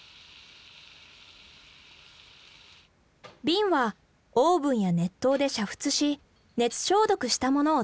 瓶はオーブンや熱湯で煮沸し熱消毒したものを使う。